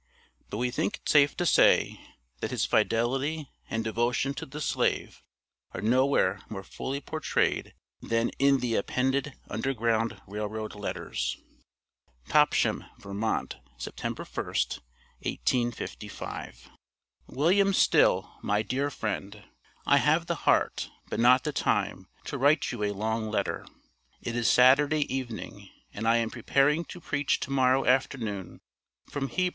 But we think it safe to say that his fidelity and devotion to the slave are nowhere more fully portrayed than in the appended Underground Rail Road letters. TOPSHAM, VT., September 1st, 1855. WM. STILL, MY DEAR FRIEND: I have the heart, but not the time, to write you a long letter. It is Saturday evening, and I am preparing to preach to morrow afternoon from Heb.